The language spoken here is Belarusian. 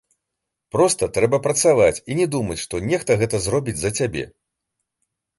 Проста трэба працаваць і не думаць, што нехта гэта зробіць за цябе.